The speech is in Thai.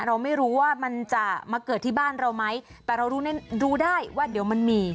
เราไม่รู้ว่ามันจะมาเกิดที่บ้านเราไหมแต่เรารู้ได้ว่าเดี๋ยวมันมี